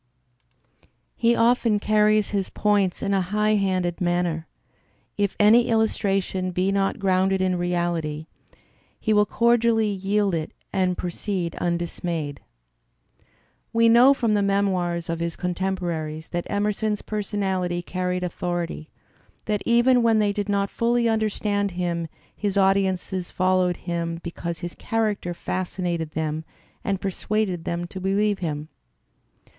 *' He often carries his points in a high handed manner. If any illustration be not grounded in reality, he will cordially yield it and proceed undismayed. Digitized by Google 62 THE SPIRIT OF AMERICAN LITERATURE We know from the memoirs of his contemporaries that Emerson's personality carried authority, that even when they did not fully understand him his audiences followed him be cause his character fascinated them and persuaded them to believe him.